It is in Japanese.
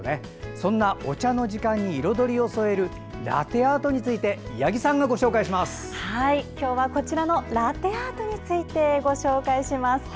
そんなお茶の時間に彩りを添えるラテアートについて今日はラテアートについてご紹介します。